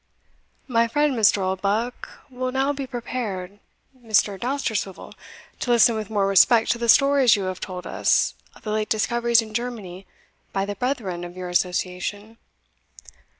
"My friend Mr. Oldbuck will now be prepared, Mr. Dousterswivel, to listen with more respect to the stories you have told us of the late discoveries in Germany by the brethren of your association."